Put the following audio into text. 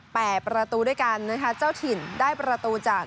ประตูด้วยกันนะคะเจ้าถิ่นได้ประตูจาก